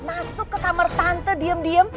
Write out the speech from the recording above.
masuk ke kamar tante diem diem